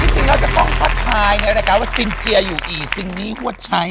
จริงแล้วจะต้องทักทายในรายการว่าซินเจียอยู่อีซินนี่ฮวดใช้